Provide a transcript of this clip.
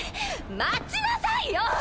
待ちなさいよ！